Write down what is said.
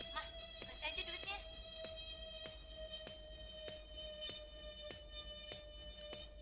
mah beras aja duitnya